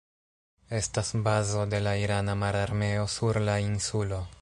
Estas bazo de la irana mararmeo sur la insulo.